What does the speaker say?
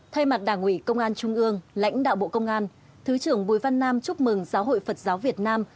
thay mặt đảng ủy công an trung ương lãnh đạo bộ công an thứ trưởng bùi văn nam chúc mừng giáo hội phật giáo việt nam